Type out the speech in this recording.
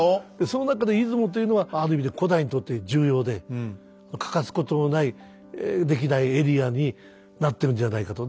その中で出雲というのはある意味で古代にとって重要で欠かすことのないできないエリアになってるんじゃないかと。